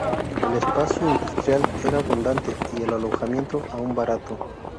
El espacio industrial era abundante y el alojamiento aún barato.